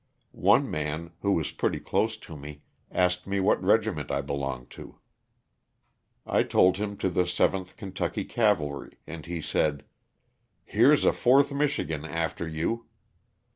One man, who was pretty close to me, asked me what regiment I belonged to. I told him to the 7th Kentucky Cavalry, and he said, '^here's a 4th Michigan after you."